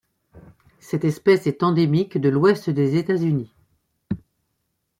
Cette espèce est endémique de l'Ouest des États-Unis.